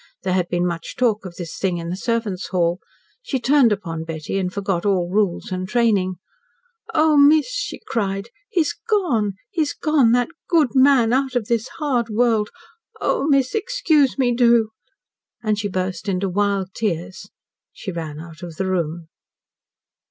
There had been much talk of this thing in the servant's hall. She turned upon Betty, and forgot all rules and training. "Oh, miss!" she cried. "He's gone he's gone! That good man out of this hard world. Oh, miss, excuse me do!" And as she burst into wild tears, she ran out of the room.